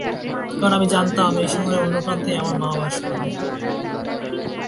কারণ, আমি জানতাম এই শহরের অন্য প্রান্তেই আমার মা বাস করে।